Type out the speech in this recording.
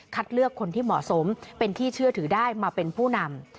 เลือกคนที่เหมาะสมเป็นที่เชื่อถือได้มาเป็นผู้นำ